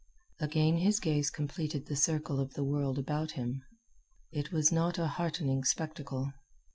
Again his gaze completed the circle of the world about him. It was not a heartening spectacle.